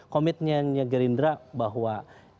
komitmennya gerindra bahwa